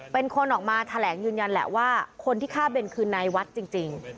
เป็นคนออกมาแถลงยืนยันแหละว่าคนที่ฆ่าเบนคือนายวัดจริง